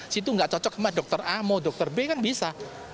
situ nggak cocok sama dokter a mau dokter b kan bisa